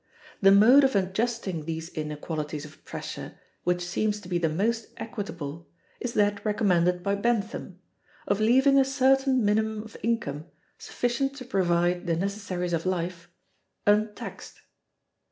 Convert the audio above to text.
The mode of adjusting these inequalities of pressure which seems to be the most equitable is that recommended by Bentham, of leaving a certain minimum of income, sufficient to provide the necessaries of life, untaxed.